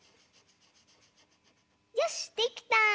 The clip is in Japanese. よしっできた！